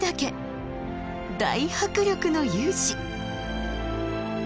大迫力の雄姿！